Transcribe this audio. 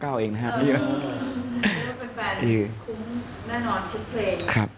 คุ้มแน่นอนทุกเพลง